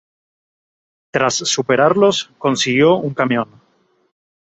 Tras superarlos consiguió un camión.